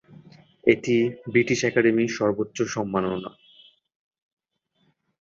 এটি British Academy সর্বোচ্চ সম্মাননা।